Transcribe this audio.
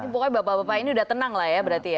pokoknya bapak bapak ini udah tenang lah ya berarti ya